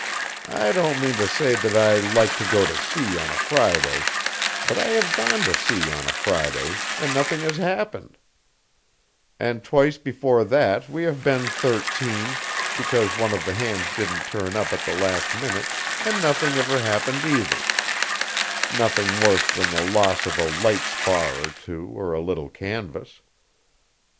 I don't mean to say that I like to go to sea on a Friday, but I have gone to sea on a Friday, and nothing has happened; and twice before that we have been thirteen, because one of the hands didn't turn up at the last minute, and nothing ever happened either nothing worse than the loss of a light spar or two, or a little canvas.